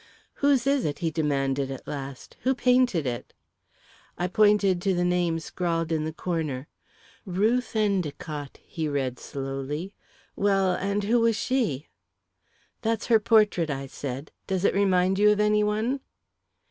"Whose is it?" he demanded, at last. "Who painted it?" I pointed to the name scrawled in the corner. "'Ruth Endicott,'" he read slowly. "Well, and who was she?" "That's her portrait," I said. "Does it remind you of any one?"